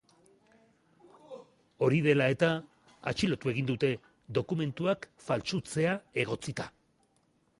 Hori dela eta, atxilotu egin dute, dokumentuak faltsutzea egotzita.